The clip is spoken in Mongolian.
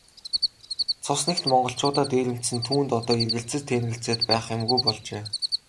Цус нэгт монголчуудаа дээрэмдсэн түүнд одоо эргэлзэж тээнэгэлзээд байх юмгүй болжээ.